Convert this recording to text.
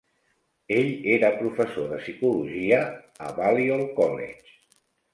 Ell era professor de psicologia a Balliol College.